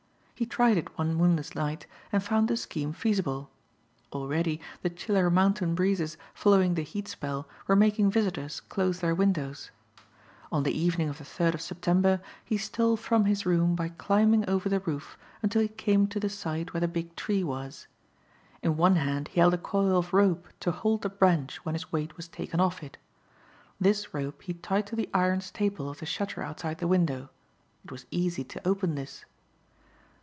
He tried it one moonless night and found the scheme feasible. Already the chiller mountain breezes following the heat spell were making visitors close their windows. On the evening of the third of September he stole from his room by climbing over the roof until he came to the side where the big tree was. In one hand he held a coil of rope to hold the branch when his weight was taken off it. This rope he tied to the iron staple of the shutter outside the window. It was easy to open this.